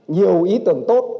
nhiều ý tưởng tốt